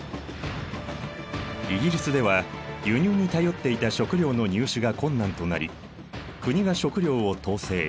イギリスでは輸入に頼っていた食料の入手が困難となり国が食料を統制